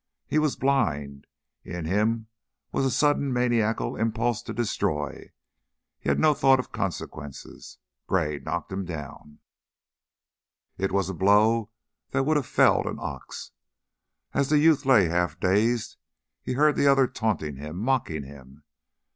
He was blind, in him was a sudden maniacal impulse to destroy; he had no thought of consequences. Gray knocked him down. It was a blow that would have felled an ox. As the youth lay half dazed, he heard the other taunting him, mocking him.